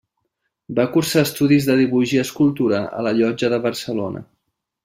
Va cursar estudis de dibuix i escultura a la Llotja de Barcelona.